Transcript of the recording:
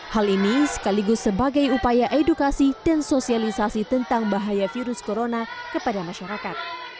hal ini sekaligus sebagai upaya edukasi dan sosialisasi tentang bahaya virus corona kepada masyarakat